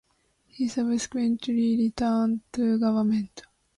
He subsequently returned to Government.